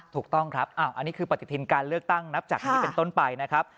ถูกต้องครับอันนี้คือปฏิทินการเลือกตั้งนับจากนี้เป็นต้นไปนะครับ